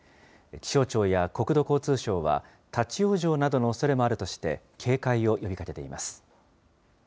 気象庁や国土交通省は、立往生などのおそれもあるとして、警戒を呼びかけています。